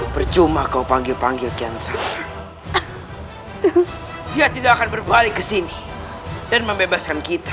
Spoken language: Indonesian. percuma kau panggil kian saya dia tidak akan berbalik ke sini dan membebaskan kita